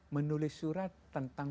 menulis surat tentang